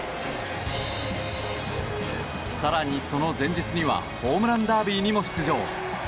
更に、その前日にはホームランダービーにも出場。